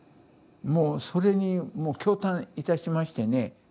もうそれにもう驚嘆いたしましてね。